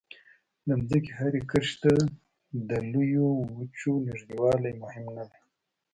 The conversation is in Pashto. د ځمکې هرې کرښې ته د لویو وچو نږدېوالی مهم نه دی.